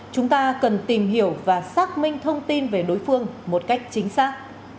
chúng ta cần tìm hiểu và xác minh thông tin về đối phương một cách chính xác